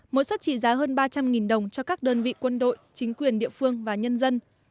mỗi suất trị giá hơn ba trăm linh đồng cho các đơn vị quân đội chính quyền địa phương và nhân dân